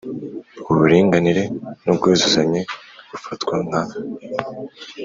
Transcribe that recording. Uburinganire n ubwuzuzanye bufatwa nka